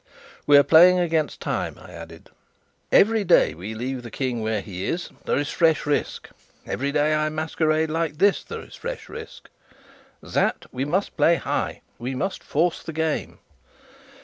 "We're playing against time," I added. "Every day we leave the King where he is there is fresh risk. Every day I masquerade like this, there is fresh risk. Sapt, we must play high; we must force the game."